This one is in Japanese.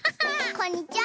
こんにちは！